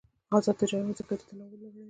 آزاد تجارت مهم دی ځکه چې تنوع لوړوی.